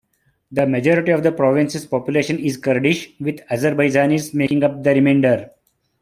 The majority of the province's population is Kurdish, with Azerbaijanis making up the remainder.